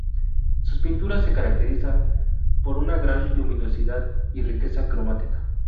Sus pinturas se caracterizan por una gran luminosidad y riqueza cromática.